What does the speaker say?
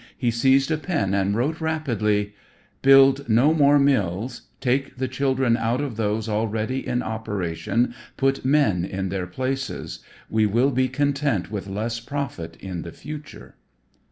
He seized a pen and wrote rapidly: "Build no more mills, take the children out of those already in operation, put men in their places. We will be content with less profit in the future."